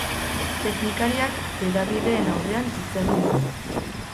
Teknikariak hedabideen aurrean hitz egin du.